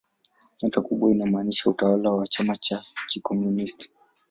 Nyota kubwa inamaanisha utawala wa chama cha kikomunisti.